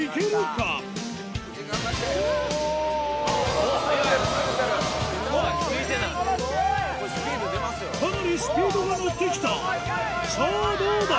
かなりスピードが乗ってきたさぁどうだ？